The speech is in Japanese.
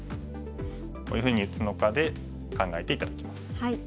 こういうふうに打つのかで考えて頂きます。